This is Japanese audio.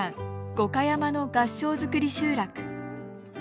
五箇山の合掌造り集落。